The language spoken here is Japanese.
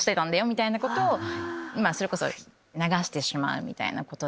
みたいなことを流してしまうみたいなこと。